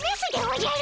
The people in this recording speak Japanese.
おじゃ。